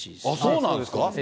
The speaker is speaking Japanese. そうなんですか。